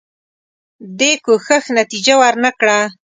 دې کوښښ نتیجه ورنه کړه.